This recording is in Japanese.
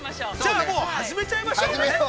◆始めちゃいましょうか。